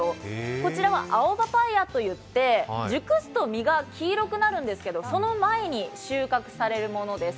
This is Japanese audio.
こちらは青パパイヤといって熟すと実が黄色くなるんですがその前に収穫されるものです。